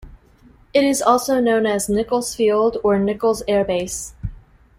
It is also known as Nichols Field or Nichols Air Base.